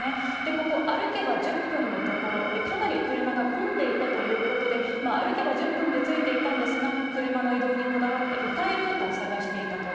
ここ、歩けば１０分のところ、かなり車が混んでいたということで、歩けば１０分でついていたんですが、車の移動にこだわって、う回ルートを探していたと。